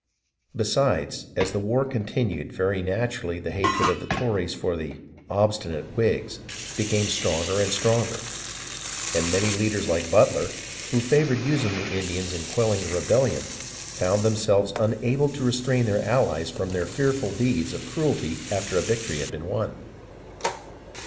Besides, as the war continued, very naturally the hatred of the Tories for the "obstinate" Whigs became stronger and stronger, and many leaders like Butler, who favoured using the Indians in quelling the rebellion, found themselves unable to re strain their allies from their fearful deeds of cruelty after a victory had been won.